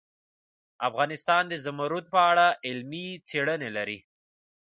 افغانستان د زمرد په اړه علمي څېړنې لري.